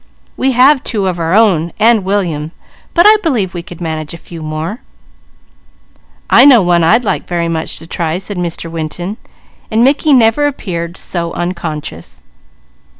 We have two of our own, and William, but I believe we could manage a few more." "I know one I'd like very much to try," said Mr. Winton, but Mickey never appeared so unconscious.